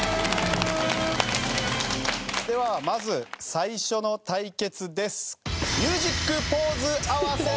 ではまず最初の対決です。